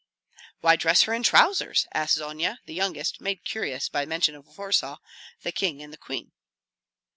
"Why dress her in trousers?" asked Zonia, the youngest, made curious by mention of Warsaw, the king, and the queen.